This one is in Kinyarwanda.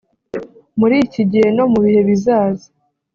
muri iki gihe no mu bihe bizaza